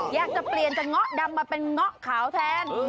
อยากจะเปลี่ยนจะเงาะดำมาเป็นเงาะขาวแทน